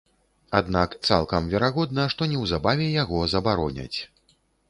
Аднак цалкам верагодна, што неўзабаве яго забароняць.